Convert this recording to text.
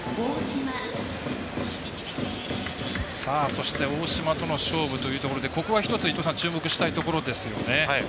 そして大島との勝負というところでここは１つ注目したいところですよね。